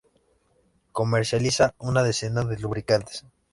Comercializa una decena de lubricantes.